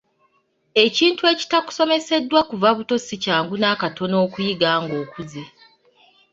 Ekintu ekitakusomeseddwa kuva buto si kyangu n'akatono okukiyiga ng'okuze.